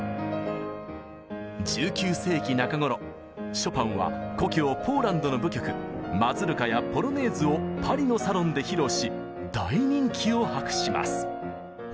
ショパンは故郷ポーランドの舞曲マズルカやポロネーズをパリのサロンで披露し大人気を博します。